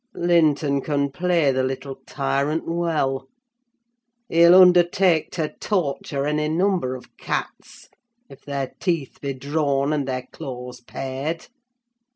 Linton can play the little tyrant well. He'll undertake to torture any number of cats, if their teeth be drawn and their claws pared.